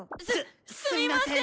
すすみません！